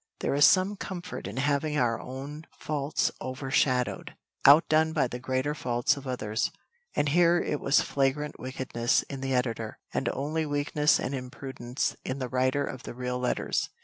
There is some comfort in having our own faults overshadowed, outdone by the greater faults of others. And here it was flagrant wickedness in the editor, and only weakness and imprudence in the writer of the real letters.